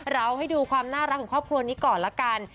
เราให้ดูความน่ารักของครอบครัวนี้ก่อนละกัน